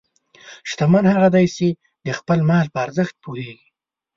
شتمن هغه دی چې د خپل مال په ارزښت پوهېږي.